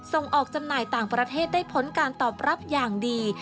ส่งออกจำหน่ายต่างประเทศได้ผลการตอบรับอย่างดี